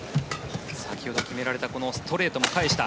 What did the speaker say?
先ほど決められたこのストレートも返した。